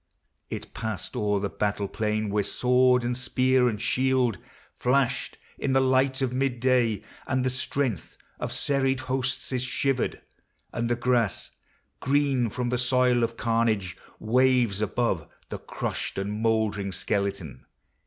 It passed o'er The battle plain where sword and spear and shield Flashed in the light of midday, and the strength Of serried hosts is shivered, and the grass, Green from the soil of carnage, waves above The crushed and moldering skeleton.